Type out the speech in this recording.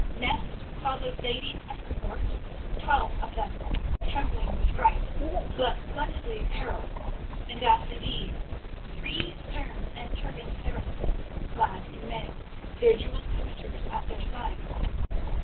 Next followed ladies of her court—twelve of them—trembling with fright but splendidly apparelled, and after these three stern and turbaned Saracens clad in mail, their jewelled scimitars at their sides.